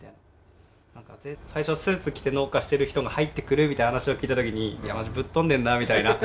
最初スーツ着て農家してる人が入ってくるみたいな話を聞いたときにいやマジぶっ飛んでるなみたいな。